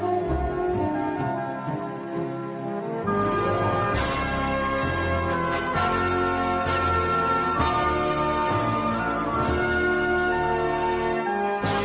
tetapi kau tak lupa ku